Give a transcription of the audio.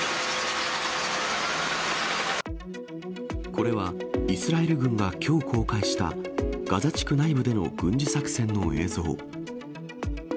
これは、イスラエル軍がきょう公開したガザ地区内部での軍事作戦の映像。